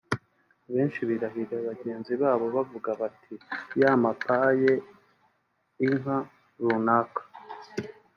Abenshi birahira bagenzi babo bavuga bati ‘yamapaye inka’ [runaka]